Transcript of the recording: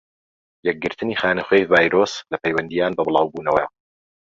یەکگرتنی خانەخوێی-ڤایرۆس لە پەیوەندیان بە بڵاو بونەوە.